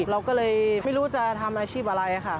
เราก็เลยไม่รู้จะทำอาชีพอะไรค่ะ